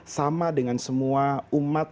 sama dengan semua umat